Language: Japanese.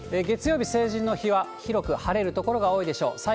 月曜日、成人の日は広く晴れる所が多いでしょう。